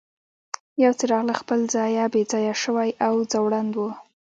یو څراغ له خپل ځایه بې ځایه شوی او ځوړند و.